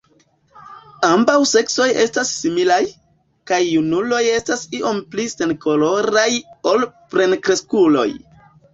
Ambaŭ seksoj estas similaj, kaj junuloj estas iom pli senkoloraj ol plenkreskuloj.